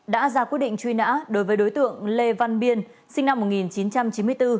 đã ra quyết định truy nã đối với đối tượng lê văn biên sinh năm một nghìn chín trăm chín mươi bốn